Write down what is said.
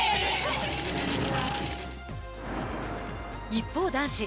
一方、男子。